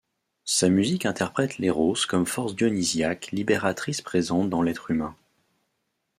Sa musique interprète l'Éros comme force dionysiaque libératrice présente dans l'être humain.